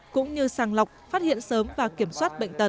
cũng như sàng lọc phát hiện sớm và kiểm soát bệnh tật